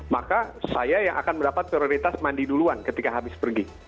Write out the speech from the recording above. maka saya yang akan mendapat prioritas mandi duluan ketika habis pergi